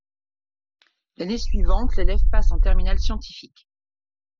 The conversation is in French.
L’année suivante l’élève passe en terminale scientifique.